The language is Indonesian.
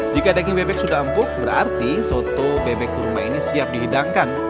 jika daging bebek sudah empuk berarti soto bebek kurma ini siap dihidangkan